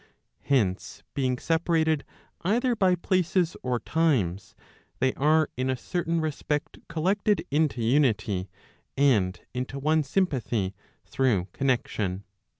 Hence being separated either by places or times, they are in a certain respect collected into unity, and into one sympathy, through connexion.